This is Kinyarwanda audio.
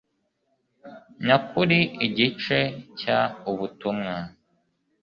nyakuri igice cya ubutumwa